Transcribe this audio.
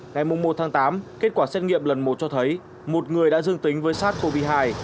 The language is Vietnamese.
ngày một tháng tám kết quả xét nghiệm lần một cho thấy một người đã dương tính với sars cov hai